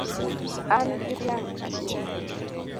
An gi dhiang' achiel